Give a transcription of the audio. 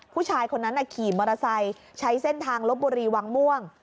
ผู้ชายคนนั้นขี่มอเตอร์ไซค์ใช้เส้นทางลบบุรีวังม่วง